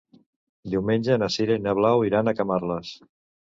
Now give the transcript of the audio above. Diumenge na Sira i na Blau iran a Camarles.